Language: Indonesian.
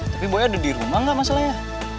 tapi boy ada di rumah gak masalahnya